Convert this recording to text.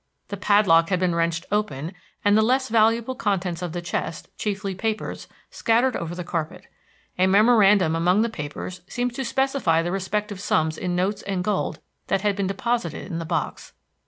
The padlock had been wrenched open, and the less valuable contents of the chest, chiefly papers, scattered over the carpet. A memorandum among the papers seemed to specify the respective sums in notes and gold that had been deposited in the box.